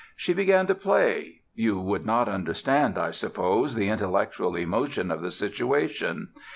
She began to play.... You would not understand, I suppose, the intellectual emotion of the situation.